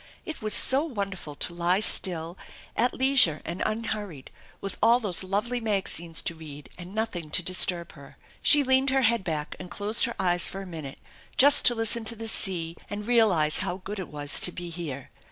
It was BO wonderful to lie still, at leisure and unhurried, with all those lovely magazines to read, and nothing to disturb her. She leaned her head back and closed her eyes for a minute just to listen to the sea, and realize how good it was to be here.